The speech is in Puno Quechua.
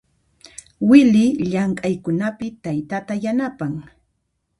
Wily llamk'aykunapi taytayta yanapan.